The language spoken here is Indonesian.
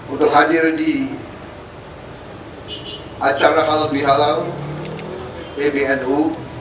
untuk hadir di acara halal bihalal pbnu